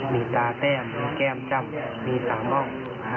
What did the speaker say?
มีตาแต้มแก้มจำมีสาม่อง